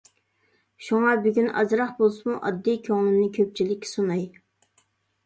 شۇڭا بۈگۈن ئازراق بولسىمۇ ئاددىي كۆڭلۈمنى كۆپچىلىككە سۇناي.